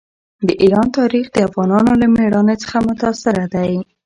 د ایران تاریخ د افغانانو له مېړانې څخه متاثره دی.